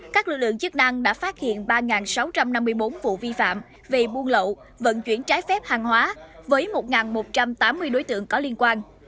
các lực lượng chức năng đã phát hiện ba sáu trăm năm mươi bốn vụ vi phạm về buôn lậu vận chuyển trái phép hàng hóa với một một trăm tám mươi đối tượng có liên quan